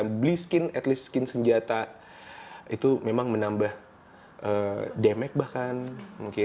memang ketika kita beli skin at least skin senjata itu memang menambah damage bahkan